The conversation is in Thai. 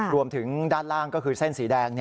รวมถึงด้านล่างก็คือเส้นสีแดง